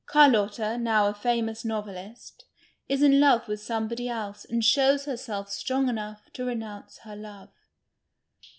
Carlotta, now a famous novelist, is in love with somebody else and shows herself strong enough to renounce her love.